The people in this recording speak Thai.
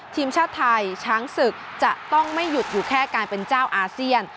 ทีมชาติไทยช้างศึกจะต้องไม่หยุดอยู่แค่การเป็นเจ้าอาเซียน